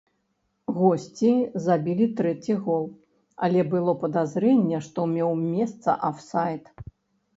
Госці забілі трэці гол, але было падазрэнне, што меў месца афсайд.